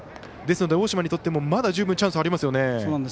ですので、大島にとってもまだ十分チャンスがありますよね。